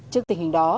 trước tình hình đó